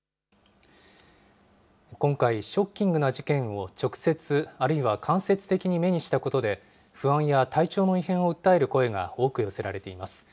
今回、ショッキングな事件を直接あるいは間接的に目にしたことで、不安や体調の異変を訴える声が多く寄せられています。